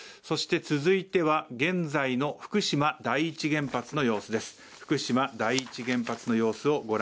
そして続いては、現在の福島第１原発の様子です。